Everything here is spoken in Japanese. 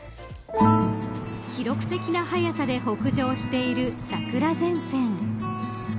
記録的な速さで北上している桜前線。